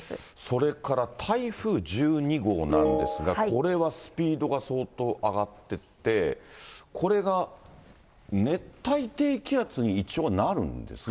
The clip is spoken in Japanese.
それから台風１２号なんですが、これはスピードが相当上がってって、これが熱帯低気圧に一応、なるんですね。